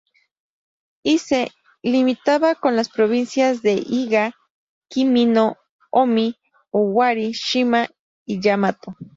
Ise limitaba con las provincias de Iga, Kii, Mino, Ōmi, Owari, Shima y Yamato.